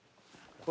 これ。